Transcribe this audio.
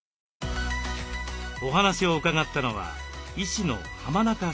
お話を伺ったのは医師の浜中聡子さん。